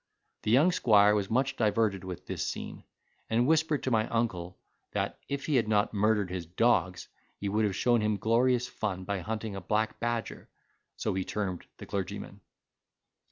The young squire was much diverted with this scene, and whispered to my uncle, that if he had not murdered his dogs, he would have shown him glorious fun, by hunting a black badger (so he termed the clergyman).